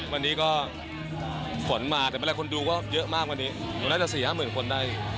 วันนี้ก็ฝนมาแต่ไม่รักคนดูก็เยอะมากว่านี้หนูได้แต่๔๕หมื่นคนได้